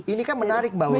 ini kan menarik mbak wiwi